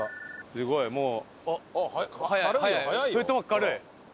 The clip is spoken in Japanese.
すごいもう。